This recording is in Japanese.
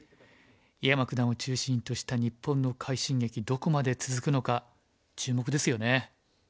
井山九段を中心とした日本の快進撃どこまで続くのか注目ですよね。